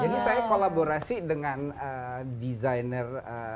jadi saya kolaborasi dengan designer